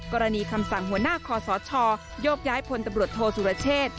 คำสั่งหัวหน้าคอสชโยกย้ายพลตำรวจโทษสุรเชษ